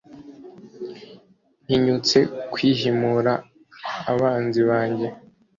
ntinyutse kwihimura abanzi banjye